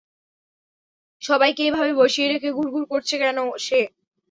সবাইকে এভাবে বসিয়ে রেখে ঘুরঘুর করছে কেন সে?